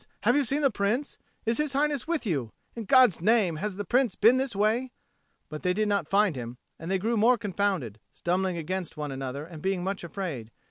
Have you seen the Prince? Is His Highness with you? In God's name, has the Prince been this way?" But they did not find him, and they grew more confounded, stumbling against one another and being much afraid.